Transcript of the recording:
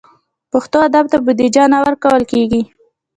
پښتو ادب ته بودیجه نه ورکول کېږي.